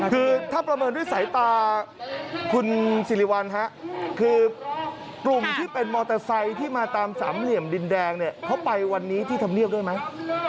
คือถ้าประเมินด้วยสายตาคุณสิริวัลฮะคือกลุ่มที่เป็นมอเตอร์ไซค์ที่มาตามสามเหลี่ยมดินแดงเนี่ยเขาไปวันนี้ที่ธรรมเนียบด้วยไหม